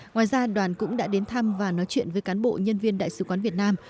ngoài ra đoàn cũng đã đến thăm và nói chuyện với cán bộ nhân viên đại sứ quán việt nam